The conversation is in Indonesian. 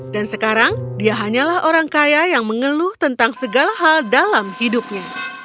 dan sekarang dia hanyalah orang kaya yang mengeluh tentang segala hal dalam hidupnya